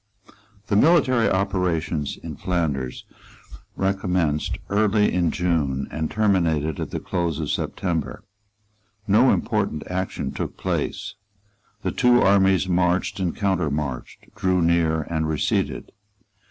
The military operations in Flanders recommenced early in June and terminated at the close of September. No important action took place. The two armies marched and countermarched, drew near and receded.